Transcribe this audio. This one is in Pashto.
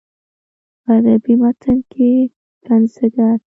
په ادبي متن کې پنځګر